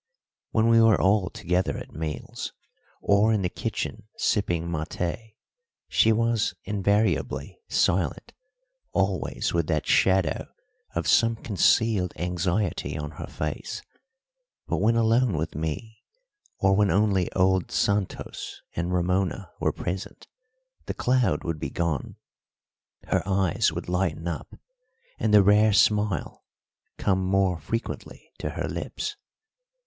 When we were all together at meals, or in the kitchen sipping maté, she was invariably silent, always with that shadow of some concealed anxiety on her face; but when alone with me, or when only old Santos and Ramona were present, the cloud would be gone, her eyes would lighten up and the rare smile come more frequently to her lips.